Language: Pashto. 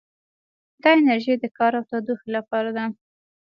دا انرژي د کار او تودوخې لپاره ده.